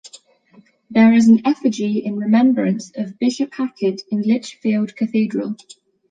There is an effigy in remembrance of Bishop Hacket in Lichfield Cathedral.